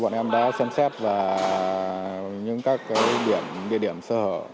bọn em đã xem xét vào những các địa điểm sơ hở